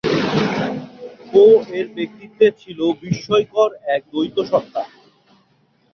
পো-এর ব্যক্তিত্বে ছিল বিস্ময়কর এক দ্বৈতসত্তা।